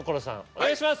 お願いします！